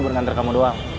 buat nganter kamu doang